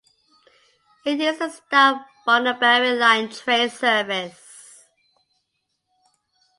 It is a stop on the Barrie line train service.